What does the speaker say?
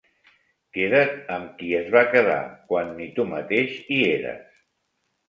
Queda't amb qui es va quedar quan ni tu mateix hi eres.